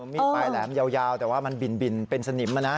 มีดปลายแหลมยาวแต่ว่ามันบินเป็นสนิมนะ